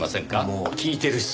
もう聞いてるし。